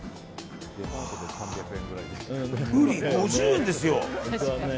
ウリ、５０円ですよ。